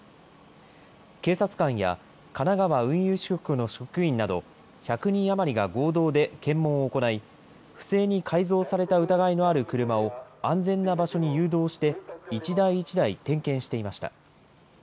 警察官や神奈川運輸支局の職員など、１００人余りが合同で検問を行い、不正に改造された疑いのある車を、安全な場所に誘導して、一台一台点検していました。